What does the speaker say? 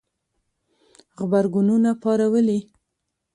غبرګونونه پارولي